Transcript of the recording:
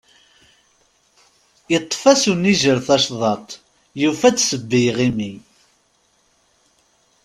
Iṭṭef-as unajjel tacḍaḍt, yufa-d sseba i yiɣimi.